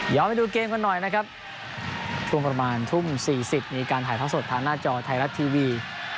ไปดูเกมกันหน่อยนะครับช่วงประมาณทุ่ม๔๐มีการถ่ายท่อสดทางหน้าจอไทยรัฐทีวี